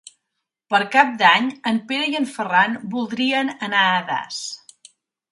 Per Cap d'Any en Pere i en Ferran voldrien anar a Das.